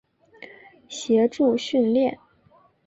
协助训练。